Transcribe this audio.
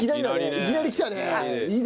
いきなりきたね！